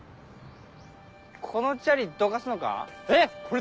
このチャリどかすのか？